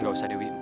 gak usah dewi